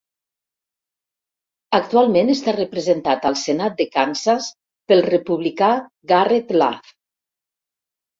Actualment està representat al senat de Kansas pel republicà Garrett Love.